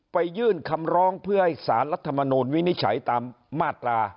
ยื่นคำร้องเพื่อให้สารรัฐมนูลวินิจฉัยตามมาตรา